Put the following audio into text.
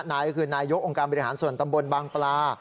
นายก็คือนายกองค์การบริหารส่วนตำบลบางปลา